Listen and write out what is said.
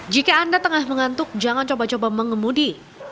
jika anda tengah mengantuk jangan coba coba mengemudi